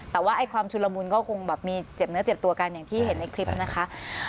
แต่ว่าความชุนละมุนก็คงแบบมีเจ็บเนื้อเจ็บตัวกันอย่างที่เห็นในคลิปนะคะ